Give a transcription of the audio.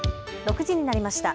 ６時になりました。